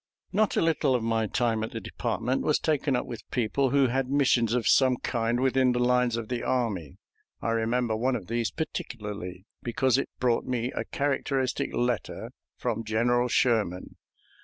Not a little of my time at the department was taken up with people who had missions of some kind within the lines of the army. I remember one of these particularly, because it brought me a characteristic letter from General Sherman.